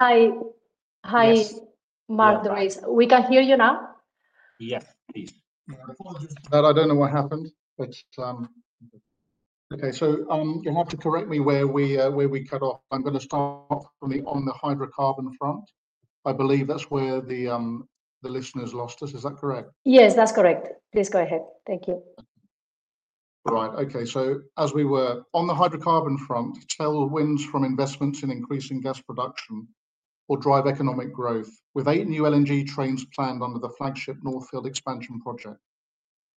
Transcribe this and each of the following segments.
Hi. Yes. Hi, Mark, Durraiz. We can hear you now? Yes, please. I don't know what happened, but, okay, so, you'll have to correct me where we cut off. I'm going to start from the, on the hydrocarbon front. I believe that's where the listeners lost us. Is that correct? Yes, that's correct. Please go ahead. Thank you. All right. Okay. So, as we were, on the hydrocarbon front, tailwinds from investments in increasing gas production will drive economic growth with eight new LNG trains planned under the flagship North Field Expansion Project,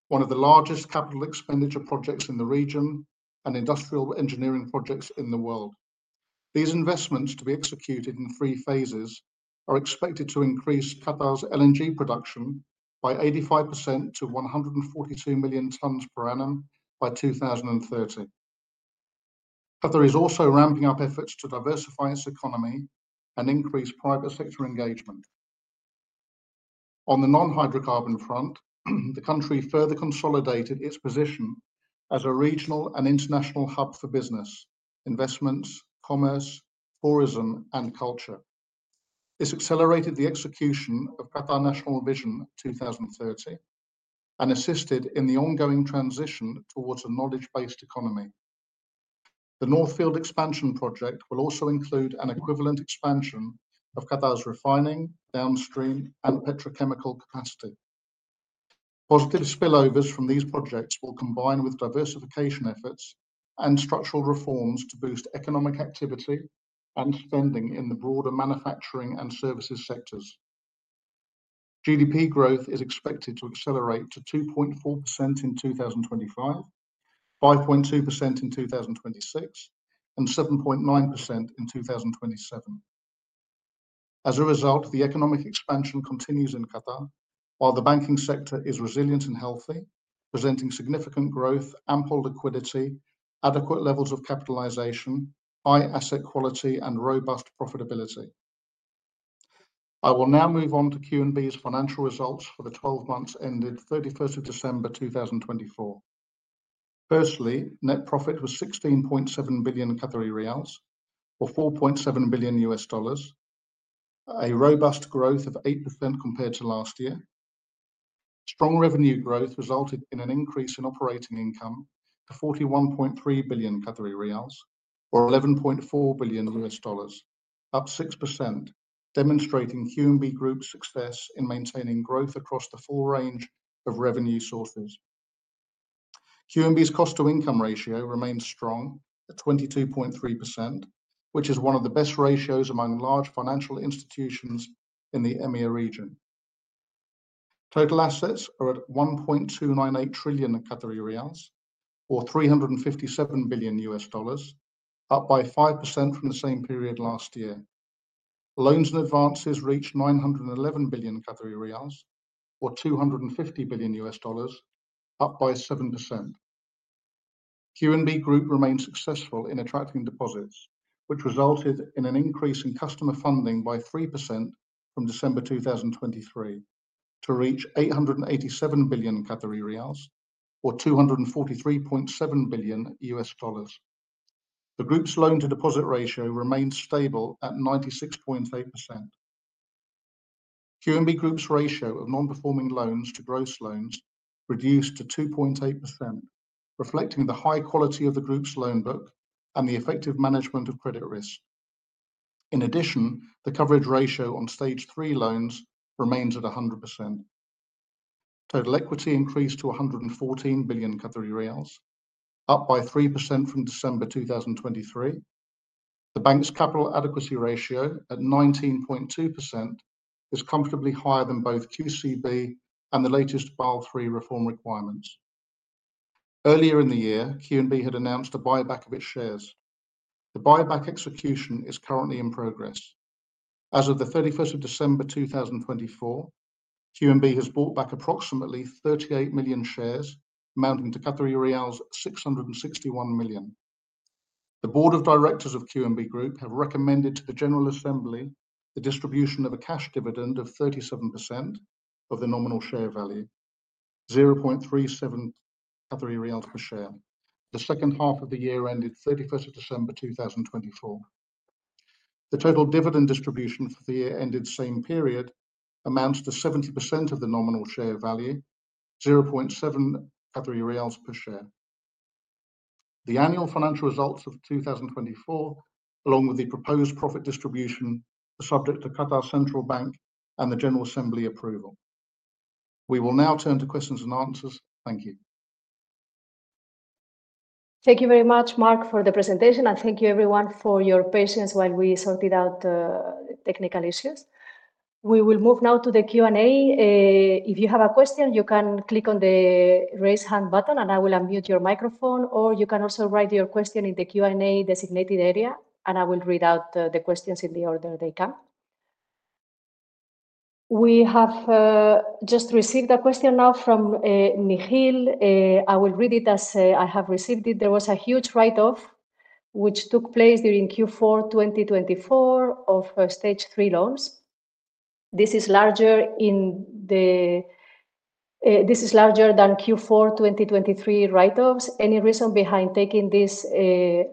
one of the largest capital expenditure projects in the region and industrial engineering projects in the world. These investments, to be executed in three phases, are expected to increase Qatar's LNG production by 85% to 142 million tonnes per annum by 2030. Qatar is also ramping up efforts to diversify its economy and increase private sector engagement. On the non-hydrocarbon front, the country further consolidated its position as a regional and international hub for business, investments, commerce, tourism, and culture. This accelerated the execution of Qatar National Vision 2030 and assisted in the ongoing transition towards a knowledge-based economy. The North Field Expansion Project will also include an equivalent expansion of Qatar's refining, downstream, and petrochemical capacity. Positive spillovers from these projects will combine with diversification efforts and structural reforms to boost economic activity and spending in the broader manufacturing and services sectors. GDP growth is expected to accelerate to 2.4% in 2025, 5.2% in 2026, and 7.9% in 2027. As a result, the economic expansion continues in Qatar, while the banking sector is resilient and healthy, presenting significant growth, ample liquidity, adequate levels of capitalization, high asset quality, and robust profitability. I will now move on to QNB's financial results for the 12 months ended 31st of December 2024. Firstly, net profit was 16.7 billion Qatari riyals, or $4.7 billion, a robust growth of 8% compared to last year. Strong revenue growth resulted in an increase in operating income to 41.3 billion Qatari riyals, or $11.4 billion, up 6%, demonstrating QNB Group's success in maintaining growth across the full range of revenue sources. QNB's cost-to-income ratio remains strong at 22.3%, which is one of the best ratios among large financial institutions in the MEA region. Total assets are at 1.298 trillion Qatari riyals, or $357 billion, up by 5% from the same period last year. Loans and advances reach 911 billion Qatari riyals, or $250 billion, up by 7%. QNB Group remained successful in attracting deposits, which resulted in an increase in customer funding by 3% from December 2023 to reach 887 billion Qatari riyals, or $243.7 billion. The group's loan-to-deposit ratio remained stable at 96.8%. QNB Group's ratio of non-performing loans to gross loans reduced to 2.8%, reflecting the high quality of the group's loan book and the effective management of credit risk. In addition, the coverage ratio on Stage 3 loans remains at 100%. Total equity increased to 114 billion Qatari riyals, up by 3% from December 2023. The bank's capital adequacy ratio at 19.2% is comfortably higher than both QCB and the latest Basel III reform requirements. Earlier in the year, QNB had announced a buyback of its shares. The buyback execution is currently in progress. As of the 31st of December 2024, QNB has bought back approximately 38 million shares, amounting to 661 million. The board of directors of QNB Group have recommended to the General Assembly the distribution of a cash dividend of 37% of the nominal share value, 0.37 riyals per share. The second half of the year ended 31st of December 2024. The total dividend distribution for the year ended same period amounts to 70% of the nominal share value, 0.7 Qatari riyals per share. The annual financial results of 2024, along with the proposed profit distribution, are subject to Qatar Central Bank and the General Assembly approval. We will now turn to questions and answers. Thank you. Thank you very much, Mark, for the presentation, and thank you everyone for your patience while we sorted out the technical issues. We will move now to the Q&A. If you have a question, you can click on the raise hand button, and I will unmute your microphone, or you can also write your question in the Q&A designated area, and I will read out the questions in the order they come. We have just received a question now from Nikhil. I will read it as I have received it. There was a huge write-off which took place during Q4 2024 of Stage 3 loans. This is larger than Q4 2023 write-offs. Any reason behind taking these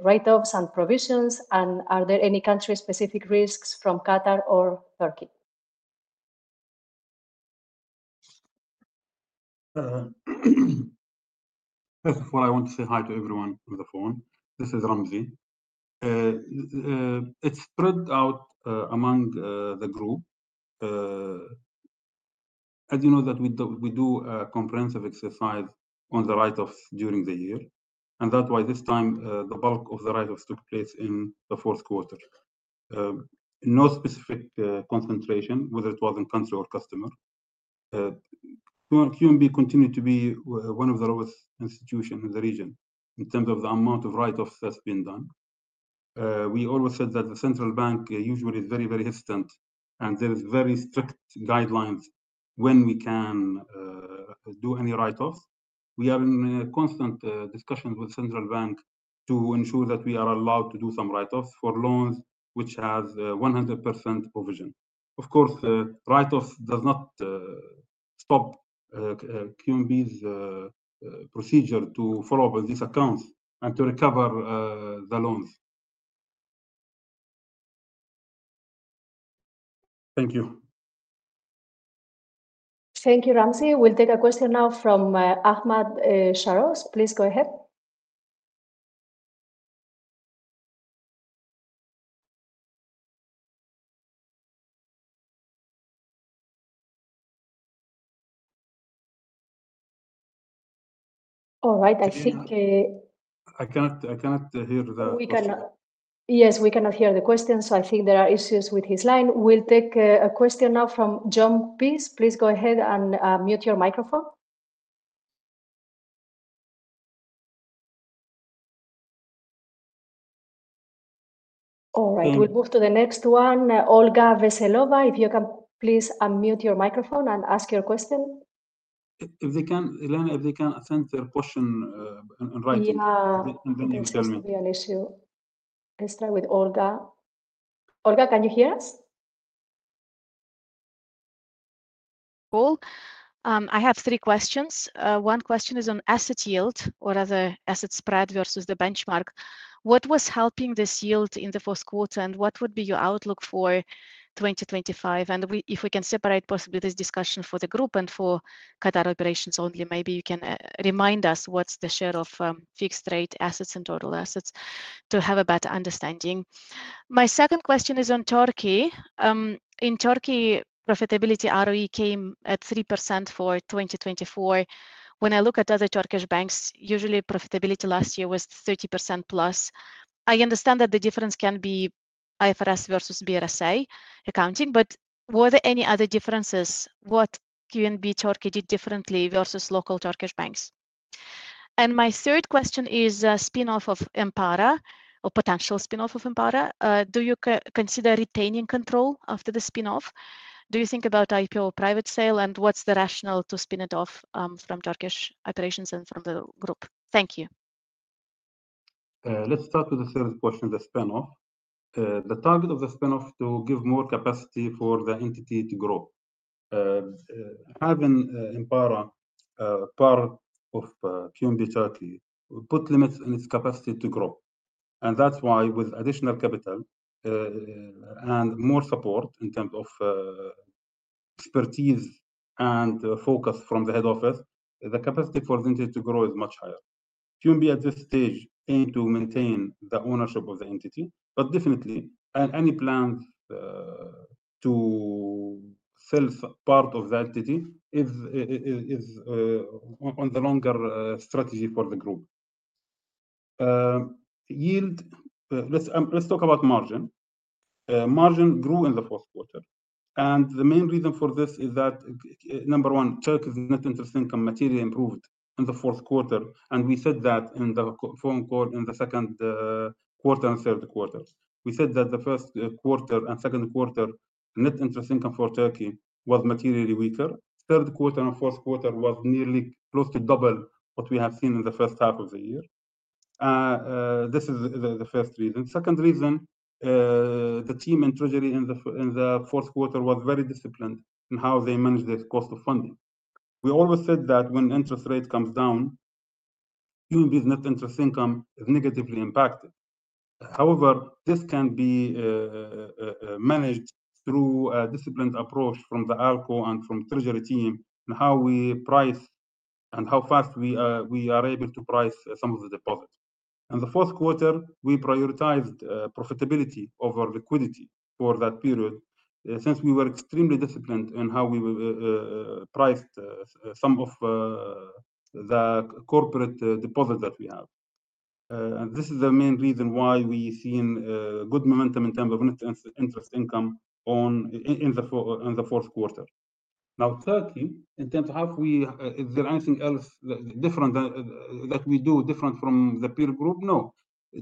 write-offs and provisions, and are there any country-specific risks from Qatar or Turkey? First of all, I want to say hi to everyone on the phone. This is Ramzi. It spread out among the group. As you know, we do a comprehensive exercise on the write-offs during the year, and that's why this time the bulk of the write-offs took place in the fourth quarter. No specific concentration, whether it was in country or customer. QNB continued to be one of the lowest institutions in the region in terms of the amount of write-offs that's been done. We always said that the central bank usually is very, very hesitant, and there are very strict guidelines when we can do any write-offs. We are in constant discussions with the central bank to ensure that we are allowed to do some write-offs for loans which have 100% provision. Of course, write-offs do not stop QNB's procedure to follow up on these accounts and to recover the loans. Thank you. Thank you, Ramzi. We'll take a question now from Ahmad Sharos. Please go ahead. All right. I think. I cannot hear that. We cannot. Yes, we cannot hear the question, so I think there are issues with his line. We'll take a question now from John Peace. Please go ahead and mute your microphone. All right. We'll move to the next one. Olga Veselova, if you can please unmute your microphone and ask your question. If they can, Elena, if they can send their question in writing, then you can tell me. Yeah, it shouldn't be an issue. Let's try with Olga. Olga, can you hear us? Cool. I have three questions. One question is on asset yield or other asset spread versus the benchmark. What was helping this yield in the fourth quarter, and what would be your outlook for 2025? And if we can separate possibly this discussion for the group and for Qatar operations only, maybe you can remind us what's the share of fixed-rate assets and total assets to have a better understanding. My second question is on Turkey. In Turkey, profitability ROE came at 3% for 2024. When I look at other Turkish banks, usually profitability last year was 30% plus. I understand that the difference can be IFRS versus BRSA accounting, but were there any other differences? What did Turkey do differently versus local Turkish banks? And my third question is a spinoff of Enpara or potential spinoff of Enpara. Do you consider retaining control after the spinoff? Do you think about IPO or private sale, and what's the rationale to spin it off from Turkish operations and from the group? Thank you. Let's start with the third question, the spinoff. The target of the spinoff is to give more capacity for the entity to grow. Having Enpara part of QNB Turkey put limits on its capacity to grow. And that's why with additional capital and more support in terms of expertise and focus from the head office, the capacity for the entity to grow is much higher. QNB at this stage aimed to maintain the ownership of the entity, but definitely any plans to sell part of the entity is on the longer strategy for the group. Yield, let's talk about margin. Margin grew in the fourth quarter, and the main reason for this is that, number one, Turkish net interest income materially improved in the fourth quarter, and we said that in the phone call in the second quarter and third quarter. We said that the first quarter and second quarter net interest income for Turkey was materially weaker. Third quarter and fourth quarter was nearly close to double what we have seen in the first half of the year. This is the first reason. Second reason, the team in treasury in the fourth quarter was very disciplined in how they managed their cost of funding. We always said that when interest rate comes down, QNB's net interest income is negatively impacted. However, this can be managed through a disciplined approach from the ALCO and from the treasury team and how we price and how fast we are able to price some of the deposits. In the fourth quarter, we prioritized profitability over liquidity for that period since we were extremely disciplined in how we priced some of the corporate deposits that we have. This is the main reason why we've seen good momentum in terms of net interest income in the fourth quarter. Now, Turkey, in terms of how is there anything else different that we do different from the peer group? No.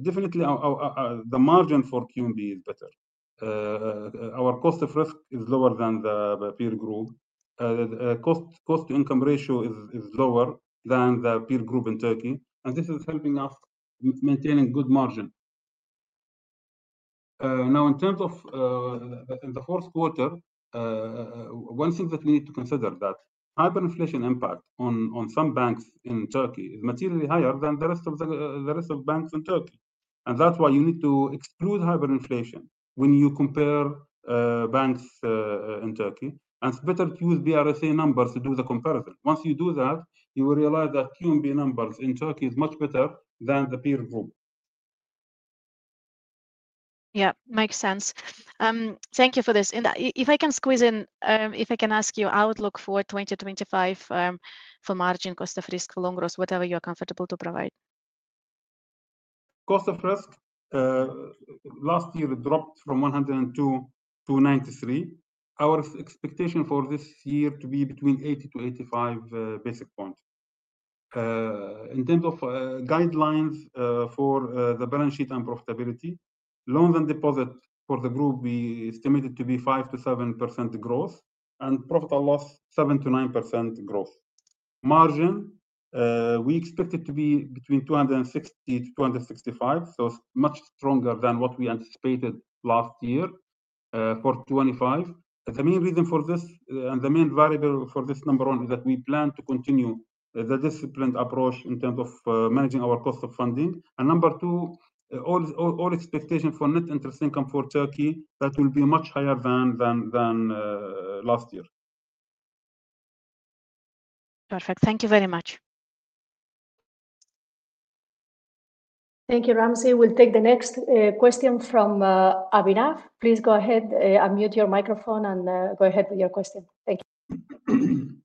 Definitely, the margin for QNB is better. Our cost of risk is lower than the peer group. Cost-to-income ratio is lower than the peer group in Turkey, and this is helping us maintain a good margin. Now, in terms of the fourth quarter, one thing that we need to consider is that hyperinflation impact on some banks in Turkey is materially higher than the rest of banks in Turkey. That's why you need to exclude hyperinflation when you compare banks in Turkey, and it's better to use BRSA numbers to do the comparison. Once you do that, you will realize that QNB numbers in Turkey are much better than the peer group. Yeah, makes sense. Thank you for this. And if I can squeeze in, if I can ask you outlook for 2025 for margin, cost of risk, for loan growth, whatever you are comfortable to provide. Cost of risk last year dropped from 102 to 93. Our expectation for this year is to be between 80-85 basis points. In terms of guidelines for the balance sheet and profitability, loans and deposits for the group we estimate to be 5-7% growth and profit or loss 7-9% growth. Margin, we expect it to be between 260-265, so much stronger than what we anticipated last year for 2025. The main reason for this and the main variable for this, number one, is that we plan to continue the disciplined approach in terms of managing our cost of funding, and number two, all expectations for net interest income for Turkey, that will be much higher than last year. Perfect. Thank you very much. Thank you, Ramzi. We'll take the next question from Abhinav. Please go ahead, unmute your microphone, and go ahead with your question. Thank you.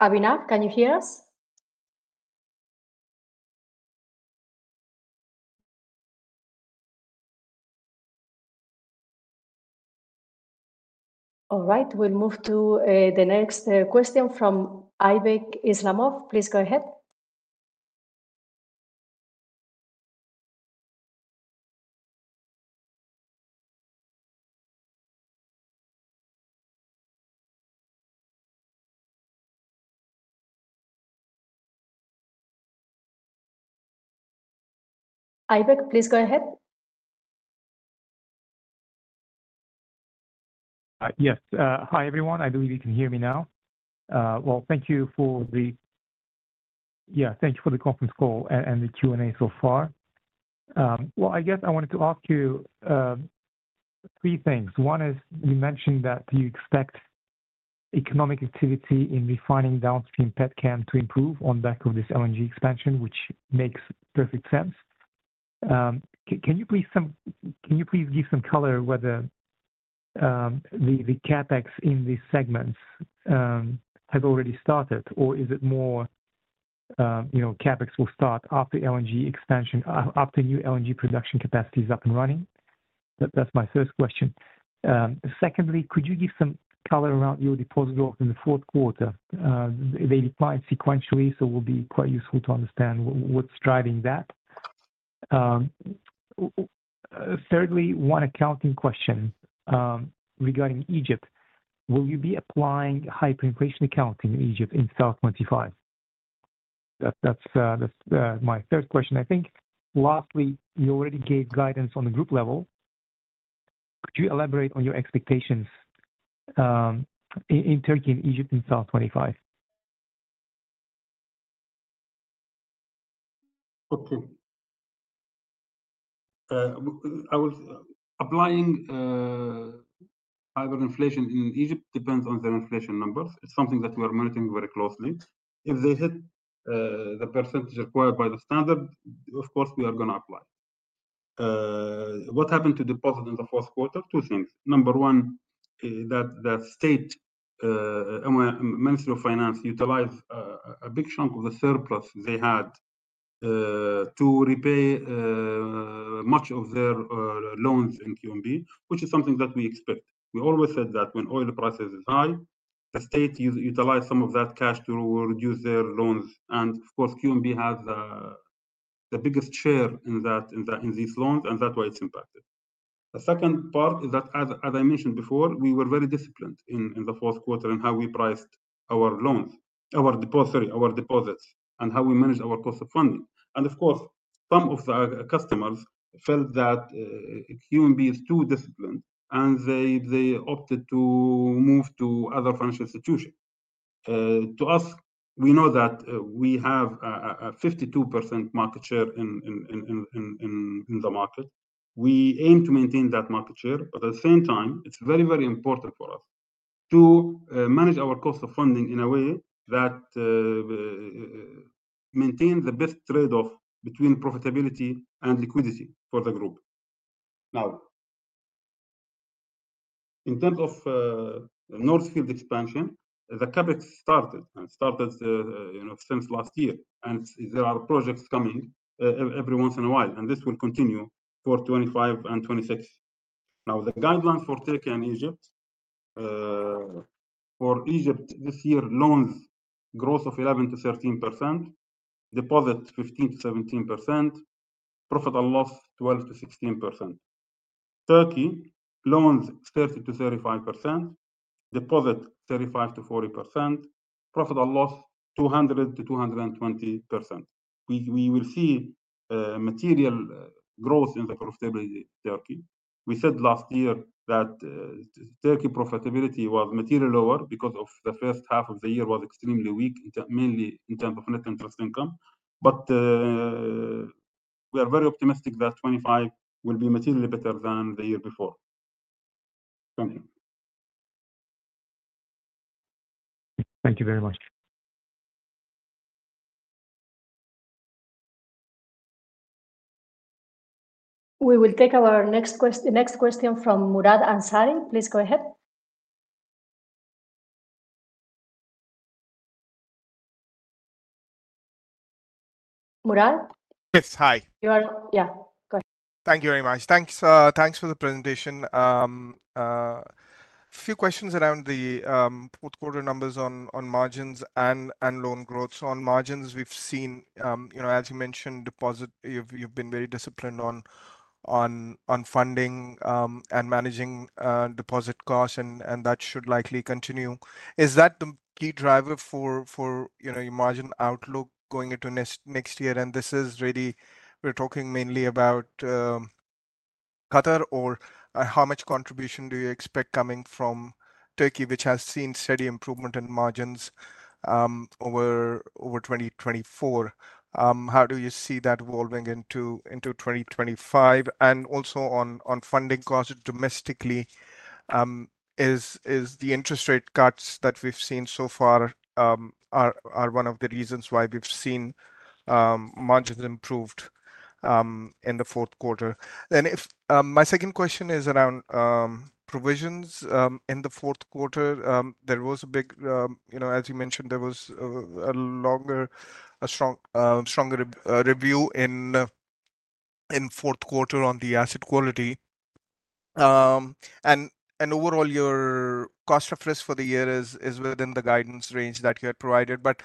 Abhinav, can you hear us? All right. We'll move to the next question from Aybek Islamov. Please go ahead. Aybek, please go ahead. Yes. Hi, everyone. I believe you can hear me now. Thank you for the, yeah, thank you for the conference call and the Q&A so far. I guess I wanted to ask you three things. One is you mentioned that you expect economic activity in refining downstream petchem to improve on the back of this LNG expansion, which makes perfect sense. Can you please give some color whether the CapEx in these segments has already started, or is it more CapEx will start after LNG expansion, after new LNG production capacity is up and running? That's my first question. Secondly, could you give some color around your deposit growth in the fourth quarter? They declined sequentially, so it will be quite useful to understand what's driving that. Thirdly, one accounting question regarding Egypt. Will you be applying hyperinflation accounting in Egypt in 2025? That's my third question, I think. Lastly, you already gave guidance on the group level. Could you elaborate on your expectations in Turkey and Egypt in 2H 25? Okay. Applying hyperinflation in Egypt depends on their inflation numbers. It's something that we are monitoring very closely. If they hit the percentage required by the standard, of course, we are going to apply. What happened to deposits in the fourth quarter? Two things. Number one, the state, Ministry of Finance, utilized a big chunk of the surplus they had to repay much of their loans in QNB, which is something that we expect. We always said that when oil prices are high, the state utilizes some of that cash to reduce their loans. And of course, QNB has the biggest share in these loans, and that's why it's impacted. The second part is that, as I mentioned before, we were very disciplined in the fourth quarter in how we priced our loans, our deposits, and how we managed our cost of funding. Of course, some of the customers felt that QNB is too disciplined, and they opted to move to other financial institutions. To us, we know that we have a 52% market share in the market. We aim to maintain that market share, but at the same time, it's very, very important for us to manage our cost of funding in a way that maintains the best trade-off between profitability and liquidity for the group. Now, in terms of North Field expansion, the CapEx started since last year, and there are projects coming every once in a while, and this will continue for 2025 and 2026. Now, the guidelines for Turkey and Egypt, for Egypt, this year, loans growth of 11%-13%, deposits 15%-17%, profit or loss 12%-16%. Turkey, loans 30%-35%, deposits 35%-40%, profit or loss 200%-220%. We will see material growth in the profitability in Turkey. We said last year that Turkey profitability was materially lower because the first half of the year was extremely weak, mainly in terms of net interest income. But we are very optimistic that 2025 will be materially better than the year before. Thank you. Thank you very much. We will take our next question from Murad Ansari. Please go ahead. Murad? Yes, hi. You are, yeah. Go ahead. Thank you very much. Thanks for the presentation. A few questions around the fourth quarter numbers on margins and loan growth. So on margins, we've seen, as you mentioned, deposit, you've been very disciplined on funding and managing deposit costs, and that should likely continue. Is that the key driver for your margin outlook going into next year? And this is really, we're talking mainly about Qatar or how much contribution do you expect coming from Turkey, which has seen steady improvement in margins over 2024? How do you see that evolving into 2025? And also on funding costs domestically, is the interest rate cuts that we've seen so far one of the reasons why we've seen margins improved in the fourth quarter? And my second question is around provisions in the fourth q`uarter. There was a big, as you mentioned, there was a longer, stronger review in fourth quarter on the asset quality, and overall, your cost of risk for the year is within the guidance range that you had provided, but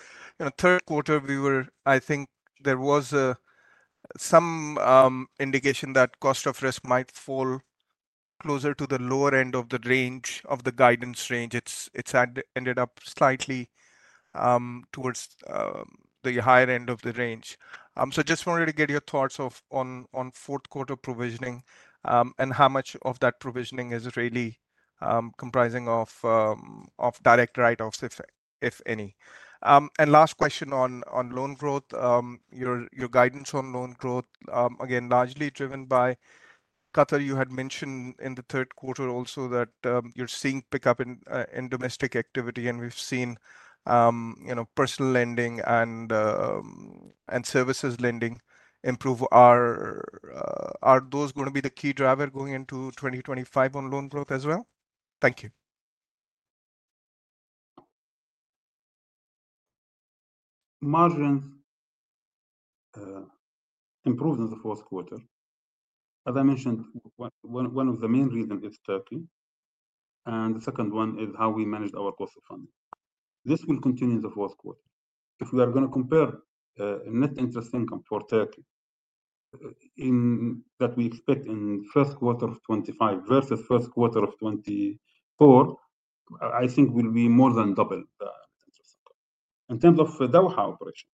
third quarter, I think there was some indication that cost of risk might fall closer to the lower end of the range of the guidance range. It's ended up slightly towards the higher end of the range, so just wanted to get your thoughts on fourth quarter provisioning and how much of that provisioning is really comprising of direct write-offs, if any, and last question on loan growth, your guidance on loan growth, again, largely driven by Qatar. You had mentioned in the third quarter also that you're seeing pickup in domestic activity, and we've seen personal lending and services lending improve. Are those going to be the key driver going into 2025 on loan growth as well? Thank you. Margins improved in the fourth quarter. As I mentioned, one of the main reasons is Turkey. And the second one is how we managed our cost of funding. This will continue in the fourth quarter. If we are going to compare net interest income for Turkey that we expect in the first quarter of 2025 versus first quarter of 2024, I think will be more than double the net interest income. In terms of Doha operation,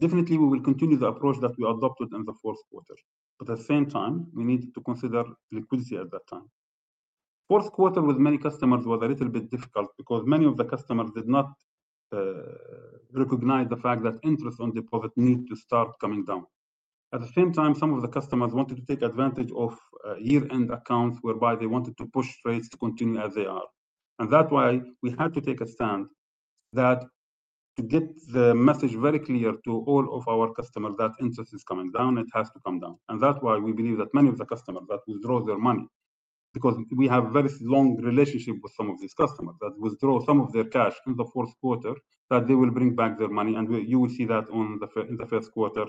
definitely we will continue the approach that we adopted in the fourth quarter. But at the same time, we need to consider liquidity at that time. Fourth quarter with many customers was a little bit difficult because many of the customers did not recognize the fact that interest on deposit need to start coming down. At the same time, some of the customers wanted to take advantage of year-end accounts whereby they wanted to push rates to continue as they are. And that's why we had to take a stand that to get the message very clear to all of our customers that interest is coming down, it has to come down. And that's why we believe that many of the customers that withdraw their money, because we have a very long relationship with some of these customers that withdraw some of their cash in the fourth quarter, that they will bring back their money, and you will see that in the first quarter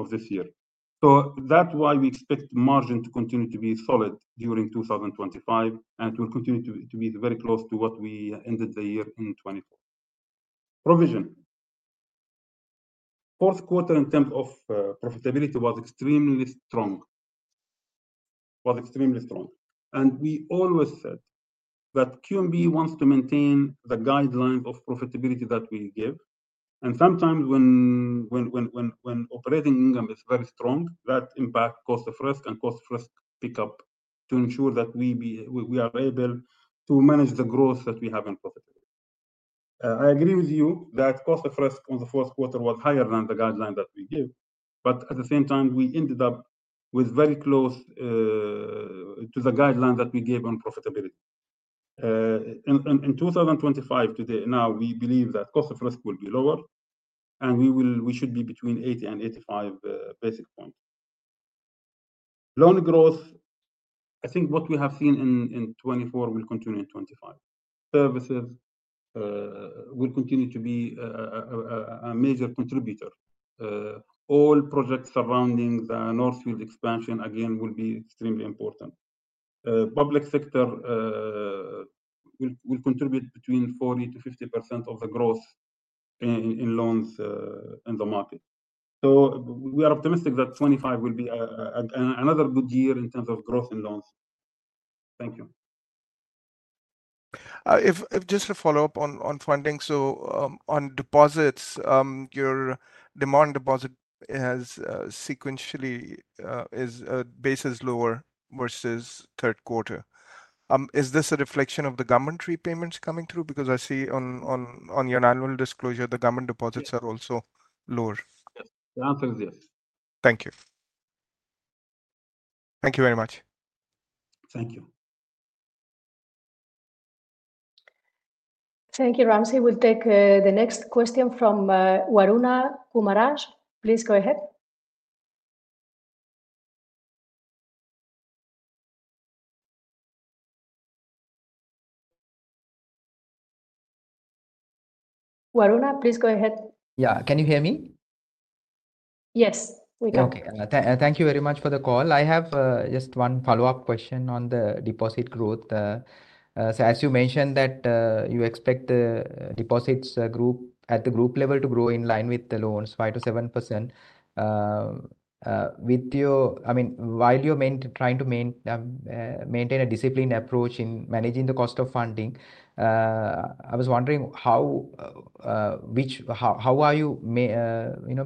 of this year. So that's why we expect margin to continue to be solid during 2025, and it will continue to be very close to what we ended the year in 2024. Provision. Fourth quarter in terms of profitability was extremely strong. We always said that QNB wants to maintain the guidelines of profitability that we give. Sometimes when operating income is very strong, that impacts cost of risk and cost of risk pickup to ensure that we are able to manage the growth that we have in profitability. I agree with you that cost of risk on the fourth quarter was higher than the guideline that we gave. At the same time, we ended up with very close to the guideline that we gave on profitability. In 2025, today, now, we believe that cost of risk will be lower, and we should be between 80 and 85 basis points. Loan growth, I think what we have seen in 2024 will continue in 2025. Services will continue to be a major contributor. All projects surrounding the North Field expansion, again, will be extremely important. Public sector will contribute between 40%-50% of the growth in loans in the market. So we are optimistic that 2025 will be another good year in terms of growth in loans. Thank you. Just to follow up on funding. So on deposits, your demand deposit is sequentially, base is lower versus third quarter. Is this a reflection of the government repayments coming through? Because I see on your annual disclosure, the government deposits are also lower. The answer is yes. Thank you. Thank you very much. Thank you. Thank you, Ramzi. We'll take the next question from Waruna Kumarage. Please go ahead. Waruna, please go ahead. Yeah. Can you hear me? Yes, we can. Okay. Thank you very much for the call. I have just one follow-up question on the deposit growth. So as you mentioned that you expect the deposits at the group level to grow in line with the loans, 5%-7%. I mean, while you're trying to maintain a disciplined approach in managing the cost of funding, I was wondering how are you going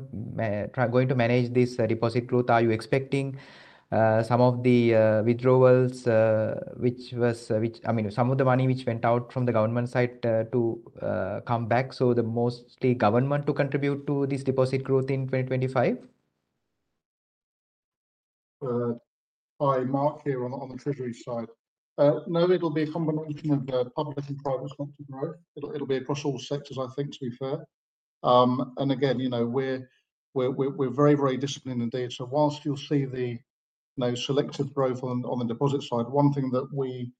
to manage this deposit growth? Are you expecting some of the withdrawals, which was, I mean, some of the money which went out from the government side to come back? So the mostly government to contribute to this deposit growth in 2025? Hi, Mark here on the Treasury side. No, it'll be a combination of public and private sector growth. It'll be across all sectors, I think, to be fair, and again, we're very, very disciplined indeed. So whilst you'll see the selective growth on the deposit side, one thing that we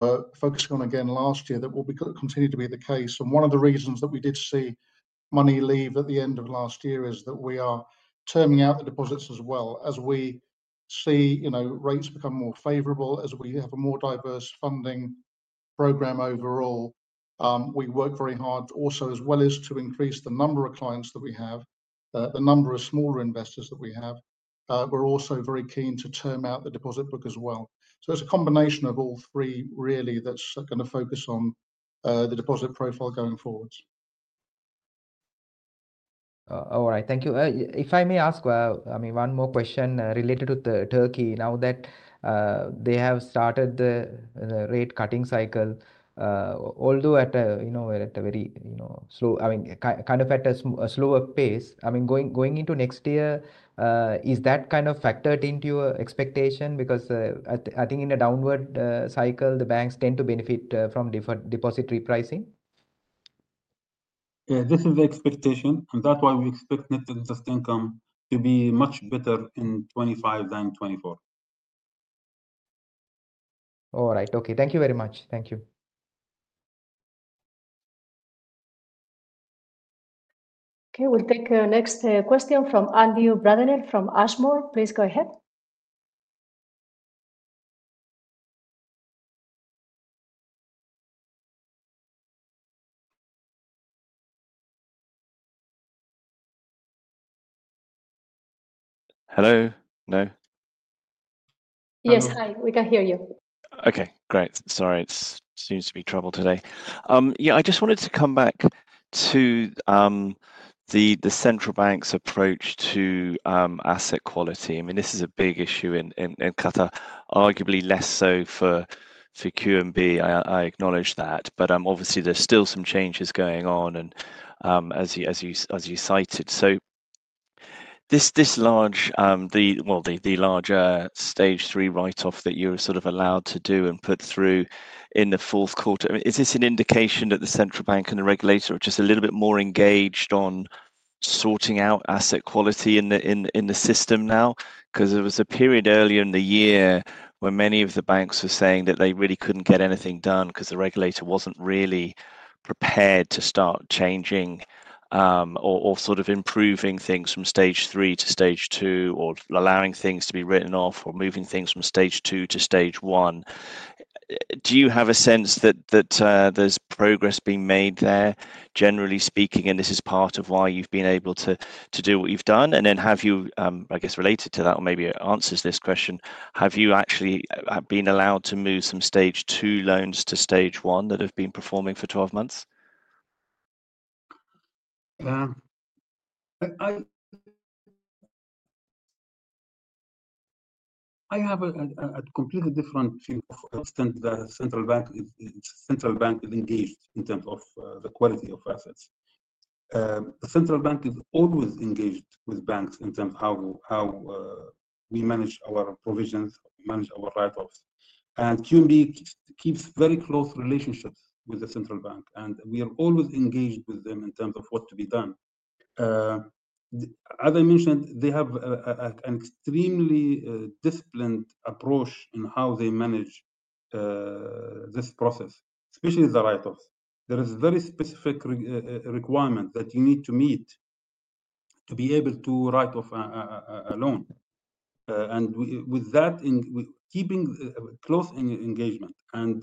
were focusing on again last year that will continue to be the case, and one of the reasons that we did see money leave at the end of last year is that we are turning out the deposits as well. As we see rates become more favorable, as we have a more diverse funding program overall, we work very hard also as well as to increase the number of clients that we have, the number of smaller investors that we have. We're also very keen to turn out the deposit book as well. So it's a combination of all three, really, that's going to focus on the deposit profile going forward. All right. Thank you. If I may ask, I mean, one more question related to Turkey. Now that they have started the rate-cutting cycle, although at a very slow, I mean, kind of at a slower pace, I mean, going into next year, is that kind of factored into your expectation? Because I think in a downward cycle, the banks tend to benefit from deposit repricing. Yeah, this is the expectation. And that's why we expect net interest income to be much better in 2025 than 2024. All right. Okay. Thank you very much. Thank you. Okay. We'll take a next question from Andrew Brenner from Ashmore. Please go ahead. Hello. No? Yes. Hi. We can hear you. Okay. Great. Sorry. It seems to be trouble today. Yeah. I just wanted to come back to the central bank's approach to asset quality. I mean, this is a big issue in Qatar, arguably less so for QNB. I acknowledge that. But obviously, there's still some changes going on, as you cited. So this large, well, the larger Stage 3 write-off that you were sort of allowed to do and put through in the fourth quarter, I mean, is this an indication that the central bank and the regulator are just a little bit more engaged on sorting out asset quality in the system now? Because there was a period earlier in the year when many of the banks were saying that they really couldn't get anything done because the regulator wasn't really prepared to start changing or sort of improving things from stage three to stage two or allowing things to be written off or moving things from stage two to stage one. Do you have a sense that there's progress being made there, generally speaking? And this is part of why you've been able to do what you've done. And then have you, I guess, related to that, or maybe it answers this question, have you actually been allowed to move some stage two loans to stage one that have been performing for 12 months? I have a completely different view of how the central bank is engaged in terms of the quality of assets. The central bank is always engaged with banks in terms of how we manage our provisions, manage our write-offs, and QNB keeps very close relationships with the central bank. We are always engaged with them in terms of what to be done. As I mentioned, they have an extremely disciplined approach in how they manage this process, especially the write-offs. There is a very specific requirement that you need to meet to be able to write off a loan, and with that, keeping close engagement, and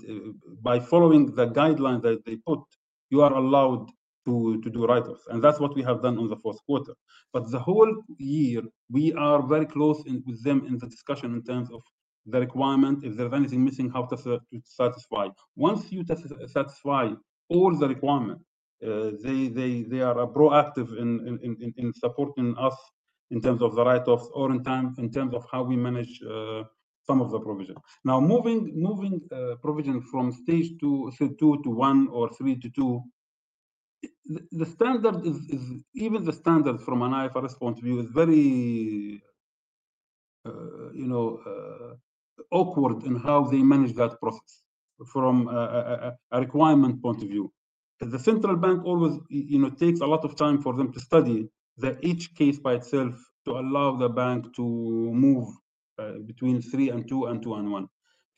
by following the guidelines that they put, you are allowed to do write-offs, and that's what we have done in the fourth quarter. But the whole year, we are very close with them in the discussion in terms of the requirement, if there's anything missing, how to satisfy. Once you satisfy all the requirements, they are proactive in supporting us in terms of the write-offs or in terms of how we manage some of the provision. Now, moving provision from stage two to one or three to two, even the standard from an IFRS point of view is very awkward in how they manage that process from a requirement point of view. The central bank always takes a lot of time for them to study each case by itself to allow the bank to move between three and two and two and one.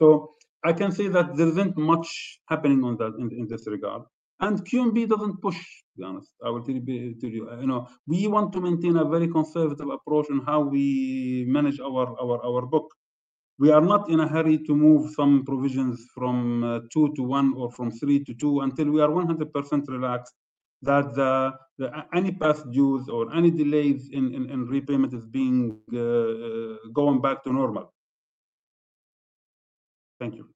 So I can say that there isn't much happening in this regard. And QNB doesn't push, to be honest. I will tell you. We want to maintain a very conservative approach in how we manage our book. We are not in a hurry to move some provisions from two to one or from three to two until we are 100% relaxed that any past dues or any delays in repayment is going back to normal. Thank you.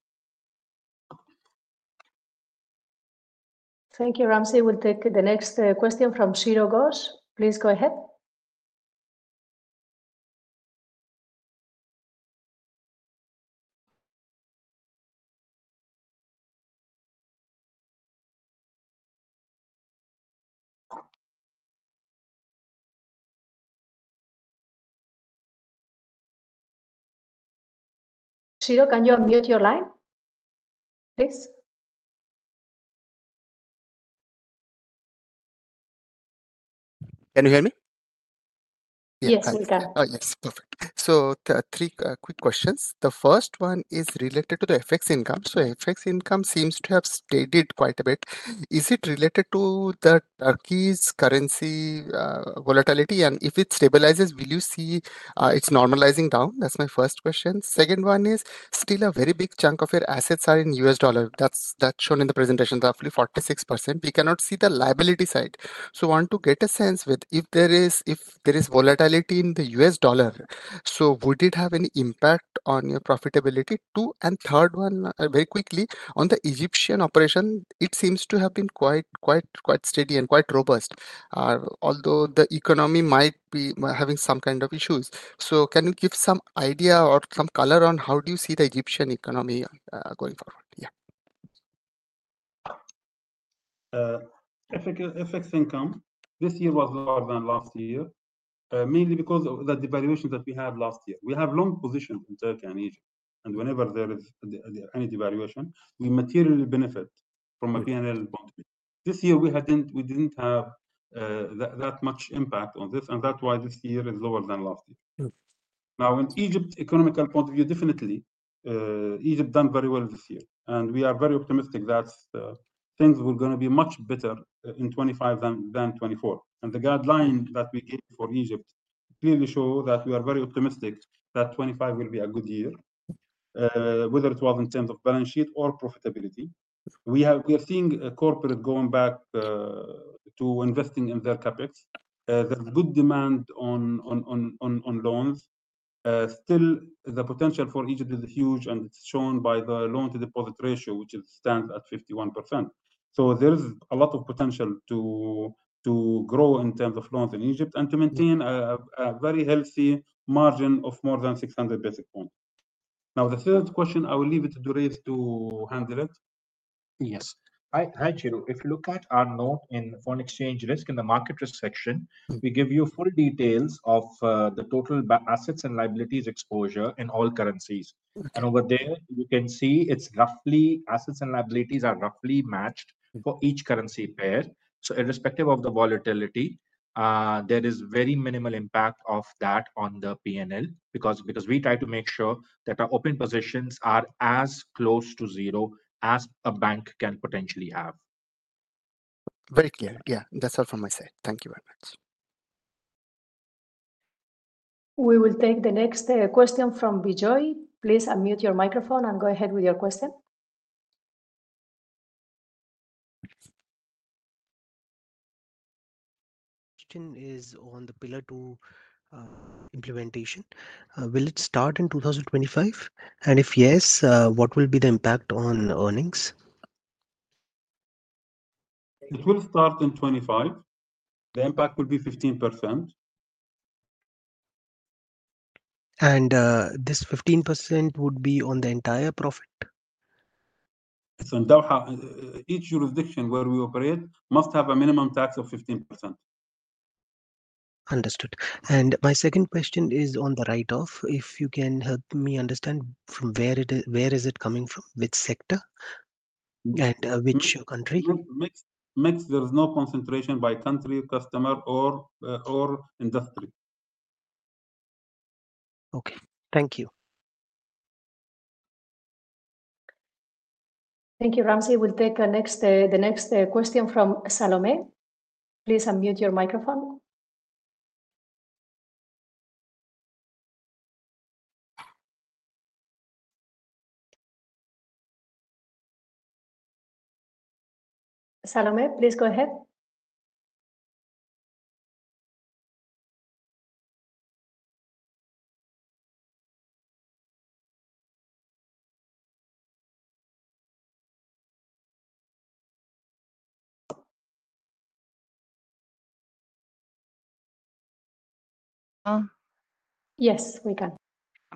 Thank you, Ramzi. We'll take the next question from Chiradeep Ghosh. Please go ahead. Chiradeep, can you unmute your line, please? Can you hear me? Yes, we can. Oh, yes. Perfect. So three quick questions. The first one is related to the FX income. So FX income seems to have surged quite a bit. Is it related to Turkey's currency volatility? And if it stabilizes, will you see it normalizing down? That's my first question. Second one is still a very big chunk of your assets are in U.S. dollar. That's shown in the presentation, roughly 46%. We cannot see the liability side. So I want to get a sense with if there is volatility in the U.S. dollar, so would it have any impact on your profitability? And third one, very quickly, on the Egyptian operation, it seems to have been quite steady and quite robust, although the economy might be having some kind of issues. So can you give some idea or some color on how do you see the Egyptian economy going forward? Yeah. FX income this year was lower than last year, mainly because of the devaluation that we had last year. We have long positions in Turkey and Egypt. And whenever there is any devaluation, we materially benefit from a P&L point of view. This year, we didn't have that much impact on this. And that's why this year is lower than last year. Now, in Egypt's economical point of view, definitely, Egypt done very well this year. And we are very optimistic that things were going to be much better in 2025 than 2024. And the guideline that we gave for Egypt clearly shows that we are very optimistic that 2025 will be a good year, whether it was in terms of balance sheet or profitability. We are seeing corporate going back to investing in their CapEx. There's good demand on loans. Still, the potential for Egypt is huge, and it's shown by the loan-to-deposit ratio, which stands at 51%. So there is a lot of potential to grow in terms of loans in Egypt and to maintain a very healthy margin of more than 600 basis points. Now, the third question, I will leave it to Durraiz to handle it. Yes. Hi, Chira. If you look at our note in foreign exchange risk in the market risk section, we give you full details of the total assets and liabilities exposure in all currencies, and over there, you can see it's roughly assets and liabilities are roughly matched for each currency pair, so irrespective of the volatility, there is very minimal impact of that on the P&L because we try to make sure that our open positions are as close to zero as a bank can potentially have. Very clear. Yeah. That's all from my side. Thank you very much. We will take the next question from Bijoy. Please unmute your microphone and go ahead with your question. Question is on the Pillar Two implementation. Will it start in 2025? And if yes, what will be the impact on earnings? It will start in 2025. The impact will be 15%. This 15% would be on the entire profit? Each jurisdiction where we operate must have a minimum tax of 15%. Understood. And my second question is on the write-off. If you can help me understand from where is it coming from, which sector, and which country? Mixed. There's no concentration by country, customer, or industry. Okay. Thank you. Thank you, Ramzi. We'll take the next question from Salome. Please unmute your microphone. Salome, please go ahead. Yes, we can.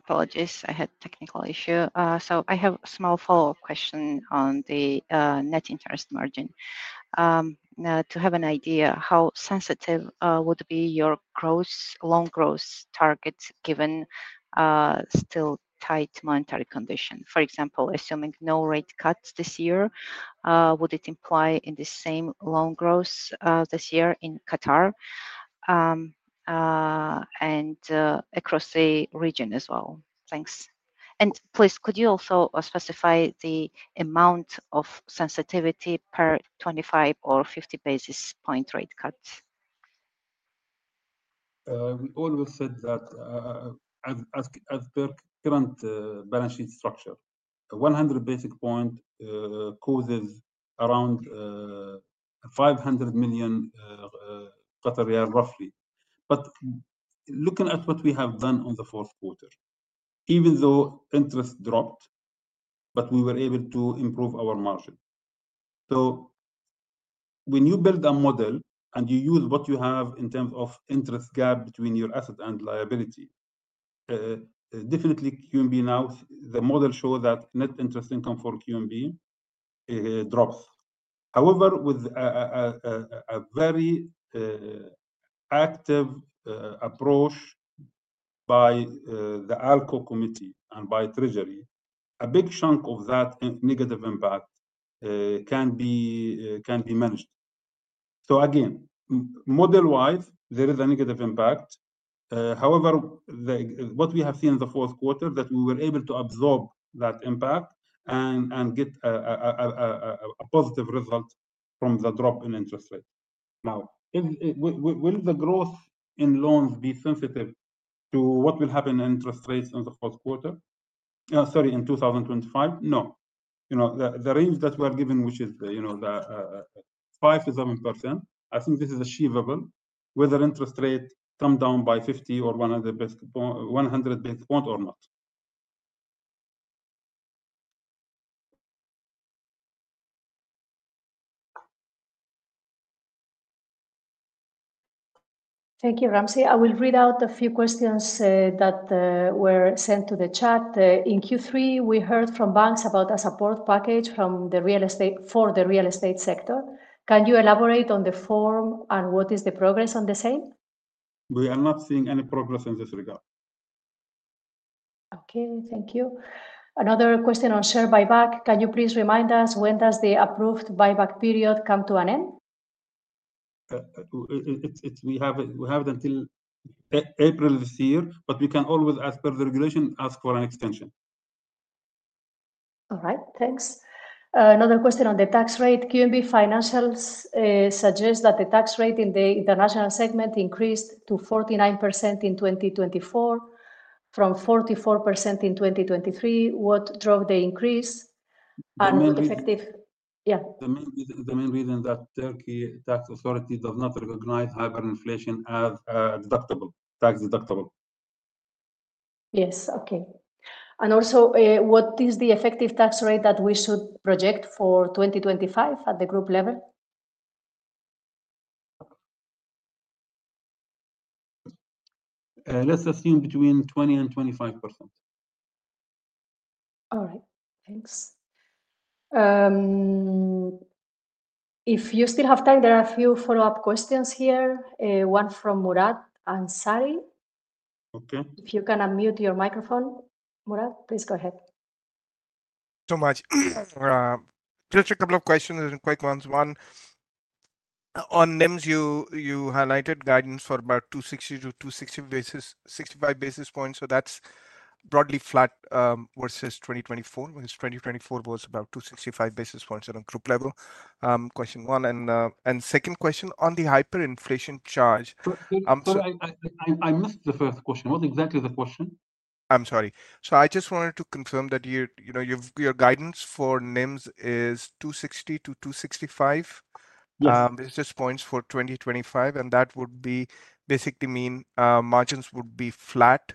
Apologies. I had a technical issue, so I have a small follow-up question on the net interest margin. To have an idea, how sensitive would be your loan growth targets given still tight monetary conditions? For example, assuming no rate cuts this year, would it imply the same loan growth this year in Qatar and across the region as well? Thanks, and please, could you also specify the amount of sensitivity per 25 or 50 basis points rate cuts? We always said that as per current balance sheet structure, 100 basis points causes around 500 million QAR, roughly. But looking at what we have done in the fourth quarter, even though interest dropped, but we were able to improve our margin. So when you build a model and you use what you have in terms of interest gap between your asset and liability, definitely QNB now, the model shows that net interest income for QNB drops. However, with a very active approach by the ALCO Committee and by Treasury, a big chunk of that negative impact can be managed. So again, model-wise, there is a negative impact. However, what we have seen in the fourth quarter is that we were able to absorb that impact and get a positive result from the drop in interest rate. Now, will the growth in loans be sensitive to what will happen in interest rates in the fourth quarter? Sorry, in 2025? No. The range that we are given, which is 5%-7%, I think this is achievable, whether interest rates come down by 50 or 100 basis points or not. Thank you, Ramzi. I will read out a few questions that were sent to the chat. In Q3, we heard from banks about a support package for the real estate sector. Can you elaborate on the form and what is the progress on the same? We are not seeing any progress in this regard. Okay. Thank you. Another question on share buyback. Can you please remind us when does the approved buyback period come to an end? We have it until April this year, but we can always, as per the regulation, ask for an extension. All right. Thanks. Another question on the tax rate. QNB Finansbank suggests that the tax rate in the international segment increased to 49% in 2024 from 44% in 2023. What drove the increase? And effective? Yeah. The main reason that Turkey's tax authority does not recognize hyperinflation as tax deductible. Yes. Okay. And also, what is the effective tax rate that we should project for 2025 at the group level? Let's assume between 20% and 25%. All right. Thanks. If you still have time, there are a few follow-up questions here, one from Murad Ansari. If you can unmute your microphone, Murad, please go ahead. So much. Just a couple of questions, quick ones. One, on NIMs, you highlighted guidance for about 260-265 basis points. So that's broadly flat versus 2024, when 2024 was about 265 basis points on a group level. Question one. And second question, on the hyperinflation charge. Sorry, I missed the first question. What's exactly the question? I'm sorry. So I just wanted to confirm that your guidance for NIMs is 260-265 basis points for 2025. And that would basically mean margins would be flat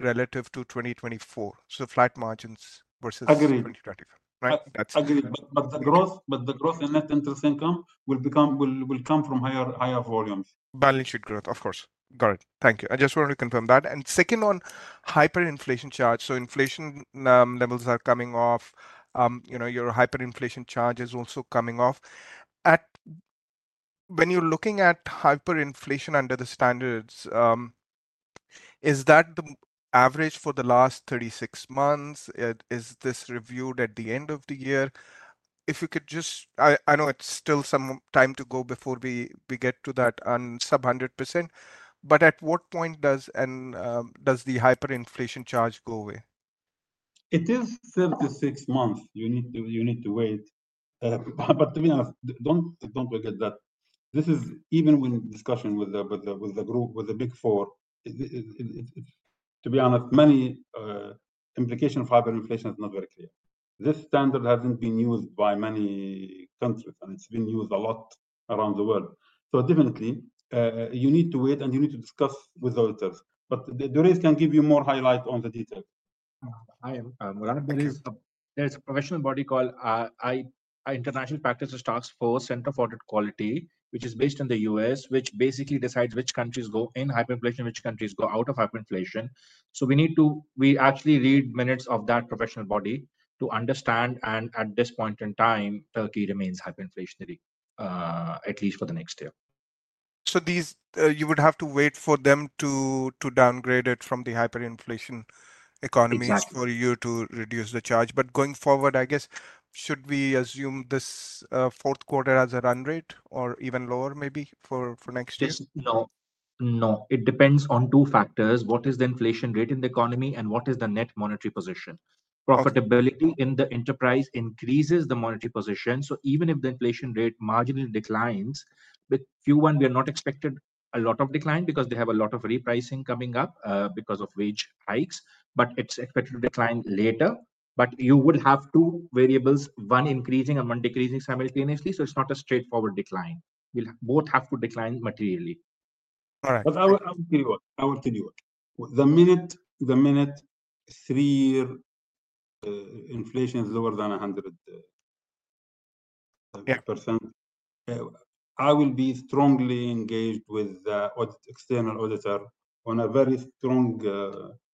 relative to 2024. So flat margins versus 2025, right? Agreed, but the growth in net interest income will come from higher volumes. Balance sheet growth, of course. Got it. Thank you. I just wanted to confirm that, and second on hyperinflation charge, so inflation levels are coming off. Your hyperinflation charge is also coming off. When you're looking at hyperinflation under the standards, is that the average for the last 36 months? Is this reviewed at the end of the year? If you could just. I know it's still some time to go before we get to that sub 100%. But at what point does the hyperinflation charge go away? It is 36 months. You need to wait. But to be honest, don't forget that. This is even when discussion with the big four. To be honest, many implications of hyperinflation are not very clear. This standard hasn't been used by many countries, and it's been used a lot around the world. So definitely, you need to wait, and you need to discuss with the auditors. But Durraiz can give you more highlight on the details. Hi, Murad. There's a professional body called International Practices Task Force of the Center for Audit Quality, which is based in the U.S., which basically decides which countries go in hyperinflation, which countries go out of hyperinflation. So we actually read minutes of that professional body to understand, and at this point in time, Turkey remains hyperinflationary, at least for the next year. So you would have to wait for them to downgrade it from the hyperinflation economy for you to reduce the charge. But going forward, I guess, should we assume this fourth quarter as a run rate or even lower, maybe, for next year? No. No. It depends on two factors. What is the inflation rate in the economy and what is the net monetary position? Profitability in the enterprise increases the monetary position. So even if the inflation rate marginally declines, with Q1, we are not expected a lot of decline because they have a lot of repricing coming up because of wage hikes. But it's expected to decline later. But you would have two variables, one increasing and one decreasing simultaneously. So it's not a straightforward decline. We'll both have to decline materially. All right. I will give you a minute. The minute the three-year inflation is lower than 100%, I will be strongly engaged with the external auditor on very strong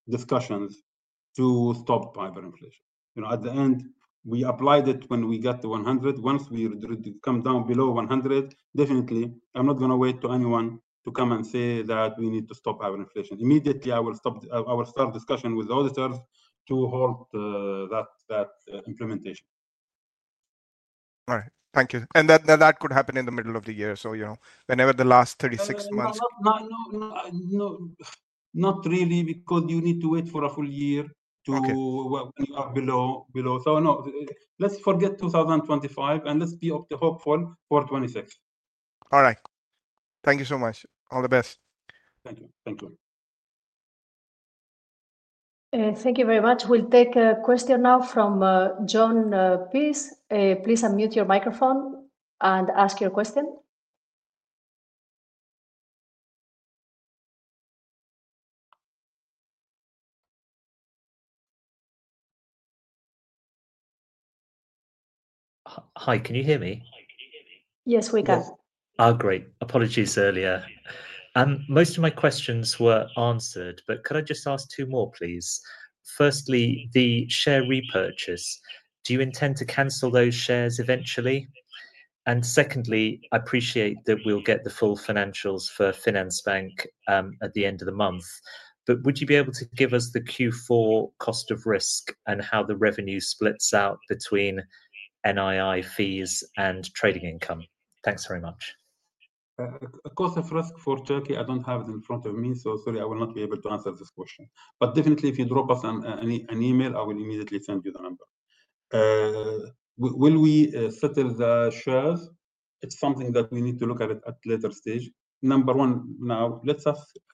discussions to stop hyperinflation. At the end, we applied it when we got to 100. Once we come down below 100, definitely, I'm not going to wait for anyone to come and say that we need to stop hyperinflation. Immediately, I will start discussion with the auditors to halt that implementation. All right. Thank you. And that could happen in the middle of the year. So whenever the last 36 months. No, no, no. Not really because you need to wait for a full year to when you are below, so no, let's forget 2025, and let's be optimistic for 2026. All right. Thank you so much. All the best. Thank you. Thank you. Thank you very much. We'll take a question now from John Peace. Please unmute your microphone and ask your question. Hi. Can you hear me? Yes, we can. Great. Apologies earlier. Most of my questions were answered, but could I just ask two more, please? Firstly, the share repurchase. Do you intend to cancel those shares eventually? And secondly, I appreciate that we'll get the full financials for Finansbank at the end of the month. But would you be able to give us the Q4 cost of risk and how the revenue splits out between NII fees and trading income? Thanks very much. Cost of risk for Turkey, I don't have it in front of me, so sorry, I will not be able to answer this question. But definitely, if you drop us an email, I will immediately send you the number. Will we settle the shares? It's something that we need to look at at a later stage. Number one, now, let's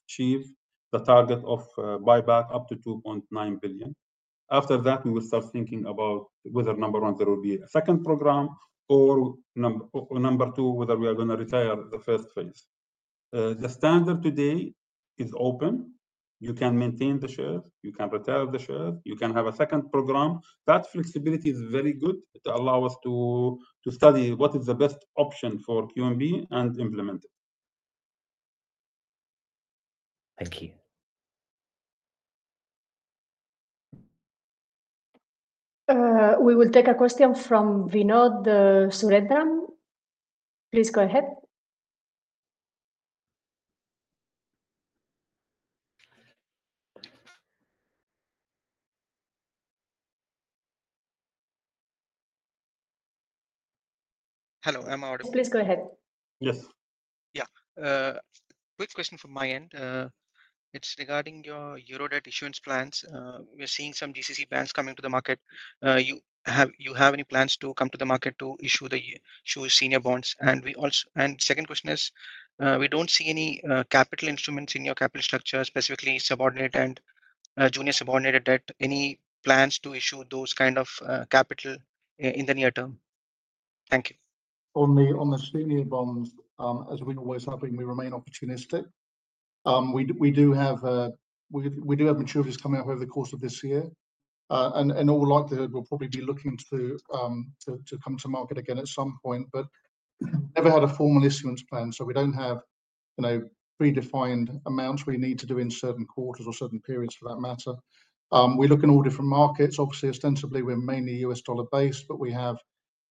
achieve the target of buyback up to 2.9 billion. After that, we will start thinking about whether, number one, there will be a second program, or number two, whether we are going to retire the first phase. The standard today is open. You can maintain the shares. You can retire the shares. You can have a second program. That flexibility is very good to allow us to study what is the best option for QNB and implement it. Thank you. We will take a question from Vinod Surendran. Please go ahead. Hello. I'm I audible. Please go ahead. Yes. Yeah. Quick question from my end. It's regarding your Eurobond issuance plans. We're seeing some GCC bonds coming to the market. Do you have any plans to come to the market to issue the senior bonds? And second question is, we don't see any capital instruments in your capital structure, specifically subordinated and junior subordinated debt. Any plans to issue those kinds of capital in the near term? Thank you. On the senior bonds, as we know, we're hoping we remain opportunistic. We do have maturities coming up over the course of this year, and in all likelihood, we'll probably be looking to come to market again at some point. But we've never had a formal issuance plan, so we don't have predefined amounts we need to do in certain quarters or certain periods for that matter. We look in all different markets. Obviously, ostensibly, we're mainly U.S. dollar-based, but we have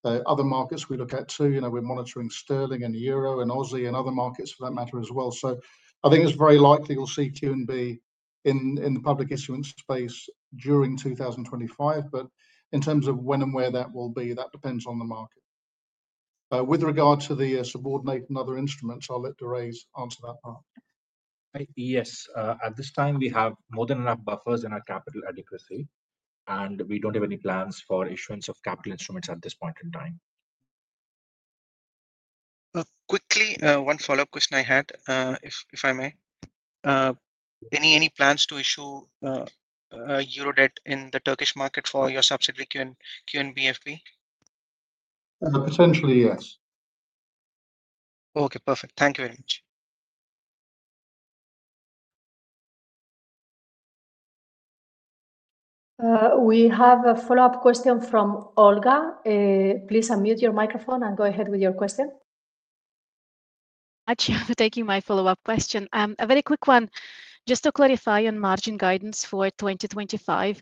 other markets we look at too. We're monitoring sterling and euro and Aussie and other markets for that matter as well. So I think it's very likely we'll see QNB in the public issuance space during 2025. But in terms of when and where that will be, that depends on the market. With regard to the subordinate and other instruments, I'll let Durraiz answer that part. Yes. At this time, we have more than enough buffers in our capital adequacy, and we don't have any plans for issuance of capital instruments at this point in time. Quickly, one follow-up question I had, if I may. Any plans to issue Eurodebt in the Turkish market for your subsidiary, QNB Finansbank? Potentially, yes. Okay. Perfect. Thank you very much. We have a follow-up question from Olga. Please unmute your microphone and go ahead with your question. Thank you. I'm taking my follow-up question. A very quick one. Just to clarify on margin guidance for 2025,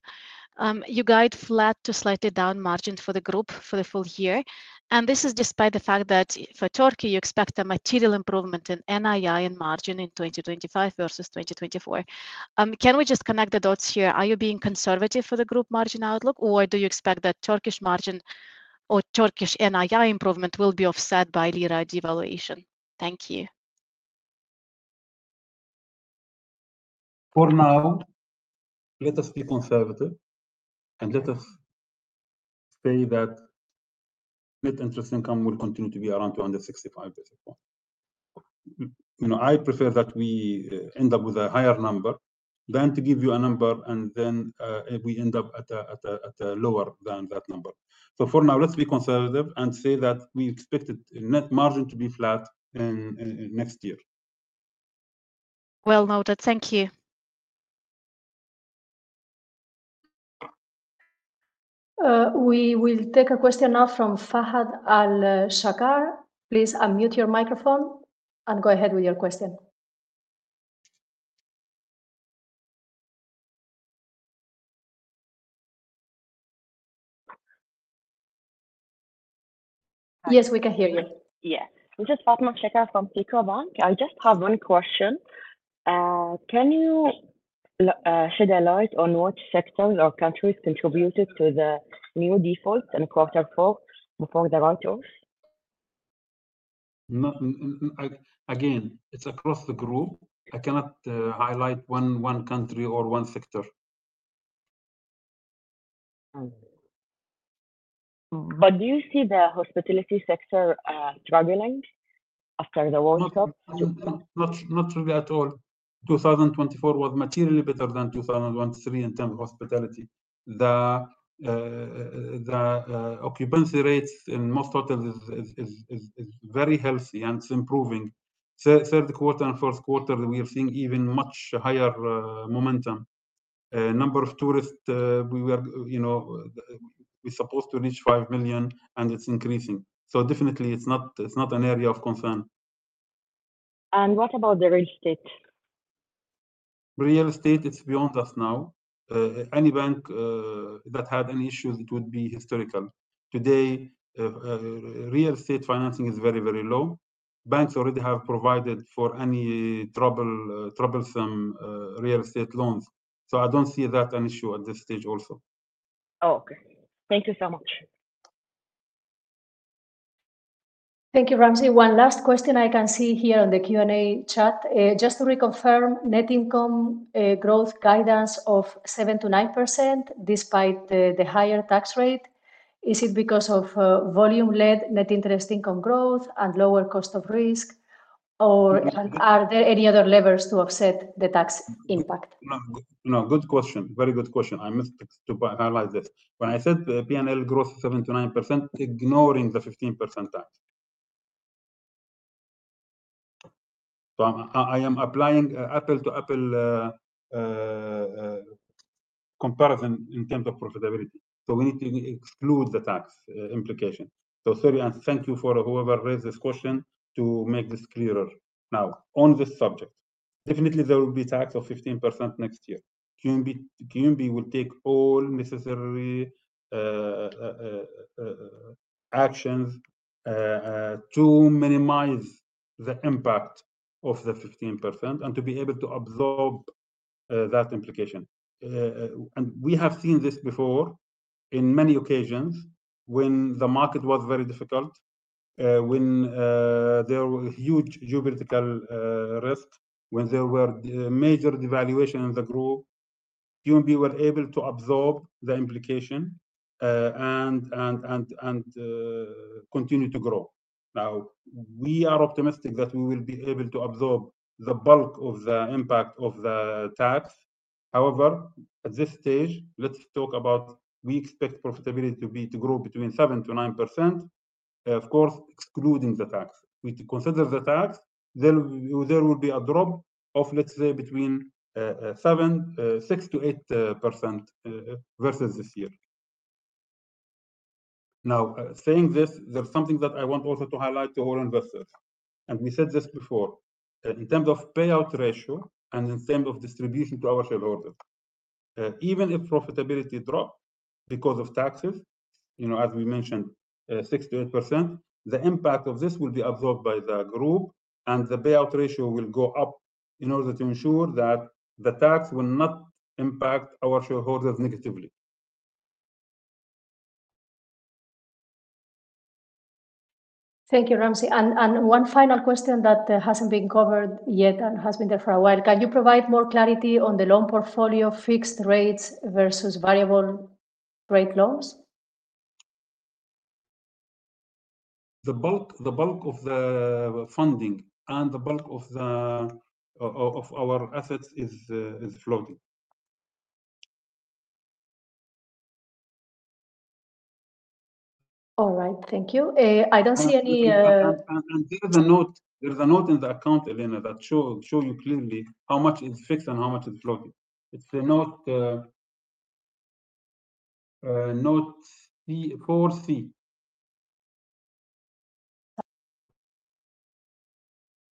you guide flat to slightly down margin for the group for the full year. And this is despite the fact that for Turkey, you expect a material improvement in NII and margin in 2025 versus 2024. Can we just connect the dots here? Are you being conservative for the group margin outlook, or do you expect that Turkish margin or Turkish NII improvement will be offset by Lira devaluation? Thank you. For now, let us be conservative, and let us say that net interest income will continue to be around 265 basis points. I prefer that we end up with a higher number than to give you a number and then we end up at a lower than that number. So for now, let's be conservative and say that we expect the net margin to be flat next year. Well noted. Thank you. We will take a question now from Fatema Al-Shakar. Please unmute your microphone and go ahead with your question. Yes, we can hear you. Yes. This is Fatema Al-Sarkar from SICO Bank. I just have one question. Can you shed a light on which sectors or countries contributed to the new default in Q4 before the write-off? Again, it's across the group. I cannot highlight one country or one sector. But do you see the hospitality sector struggling after the write-off? Not really at all. 2024 was materially better than 2023 in terms of hospitality. The occupancy rates in most hotels are very healthy, and it's improving. Third quarter and fourth quarter, we are seeing even much higher momentum. The number of tourists we were supposed to reach 5 million, and it's increasing. So definitely, it's not an area of concern. What about the real estate? Real estate, it's beyond us now. Any bank that had any issues, it would be historical. Today, real estate financing is very, very low. Banks already have provided for any troublesome real estate loans. So I don't see that an issue at this stage also. Okay. Thank you so much. Thank you, Ramzi. One last question I can see here on the Q&A chat. Just to reconfirm, net income growth guidance of 7%-9% despite the higher tax rate. Is it because of volume-led net interest income growth and lower cost of risk, or are there any other levers to offset the tax impact? No. Good question. Very good question. I missed to highlight this. When I said P&L growth is 7-9%, ignoring the 15% tax. So I am applying apple-to-apple comparison in terms of profitability. So we need to exclude the tax implication. So sorry, and thank you for whoever raised this question to make this clearer now on this subject. Definitely, there will be tax of 15% next year. QNB will take all necessary actions to minimize the impact of the 15% and to be able to absorb that implication. And we have seen this before in many occasions when the market was very difficult, when there were huge geopolitical risks, when there were major devaluations in the group. QNB were able to absorb the implication and continue to grow. Now, we are optimistic that we will be able to absorb the bulk of the impact of the tax. However, at this stage, let's talk about, we expect profitability to grow between 7%-9%, of course, excluding the tax. We consider the tax, there will be a drop of, let's say, between 6%-8% versus this year. Now, saying this, there's something that I want also to highlight to all investors. And we said this before. In terms of payout ratio and in terms of distribution to our shareholders, even if profitability dropped because of taxes, as we mentioned, 6%-8%, the impact of this will be absorbed by the group, and the payout ratio will go up in order to ensure that the tax will not impact our shareholders negatively. Thank you, Ramzi. And one final question that hasn't been covered yet and has been there for a while. Can you provide more clarity on the loan portfolio, fixed rates versus variable rate loans? The bulk of the funding and the bulk of our assets is floating. All right. Thank you. I don't see any. There's a note in the account, Elena, that shows you clearly how much is fixed and how much is floating. It's the Note 4C.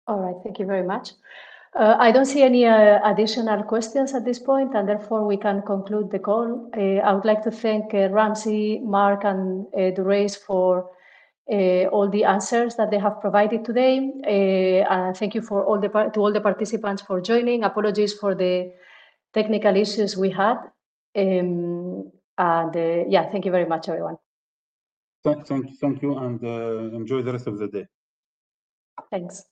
All right. Thank you very much. I don't see any additional questions at this point, and therefore, we can conclude the call. I would like to thank Ramzi, Mark, and Durraiz for all the answers that they have provided today. Thank you to all the participants for joining. Apologies for the technical issues we had. And yeah, thank you very much, everyone. Thank you. And enjoy the rest of the day. Thanks.